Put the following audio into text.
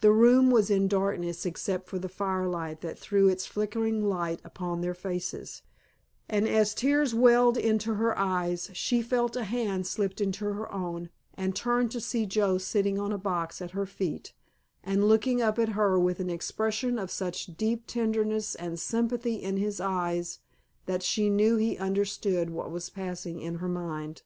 The room was in darkness except for the firelight that threw its flickering light upon their faces, and as tears welled into her eyes she felt a hand slipped into her own and turned to see Joe sitting on a box at her feet and looking up at her with an expression of such deep tenderness and sympathy in his eyes that she knew he understood what was passing in her mind.